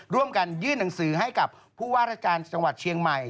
ร่วมกันยื่นหนังสือให้กับผู้ว่าราชการจังหวัดเชียงใหม่